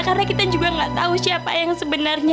karena kita juga nggak tahu siapa yang sebenarnya